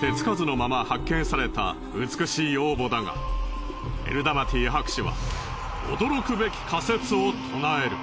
手つかずのまま発見された美しい王墓だがエルダマティ博士は驚くべき仮説を唱える。